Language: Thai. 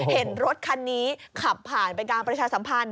เห็นรถคันนี้ขับผ่านเป็นการประชาสัมพันธ